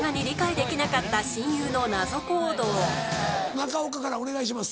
中岡からお願いします。